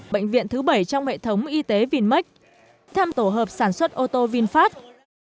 bệnh viện thứ bảy trong hệ thống y tế vinmec thăm tổ hợp sản xuất ô tô vinfast